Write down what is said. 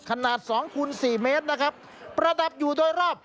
ขนาดสองคูณสี่เมตรนะครับประดับอยู่โดยรอบ